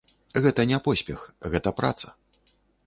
Гэта не поспех, гэта праца.